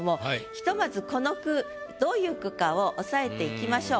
ひとまずこの句どういう句かを押さえていきましょう。